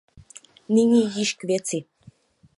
Nyní již k věci.